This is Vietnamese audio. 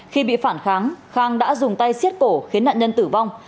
khi bị phản kháng khang đã dùng tay xiết cổ khiến nạn nhân tử vong